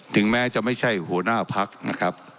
ถึงแม้จะไม่ใช่หัวหน้าพักนะครับ